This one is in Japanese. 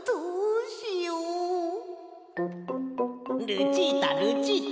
ルチータルチータ。